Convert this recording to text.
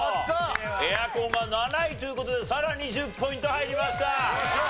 エアコンが７位という事でさらに１０ポイント入りました。